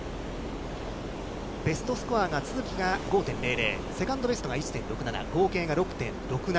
ベストスコアが都筑が５．００、セカンドベストが１．６７、合計が６．６７。